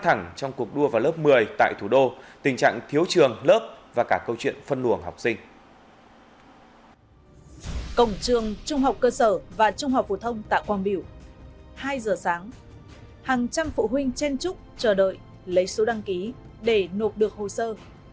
hàng trăm phụ huynh chen chúc chờ đợi lấy số đăng ký để nộp được hồ sơ